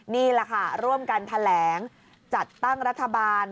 นี่แหละค่ะร่วมกันแถลงจัดตั้งรัฐบาล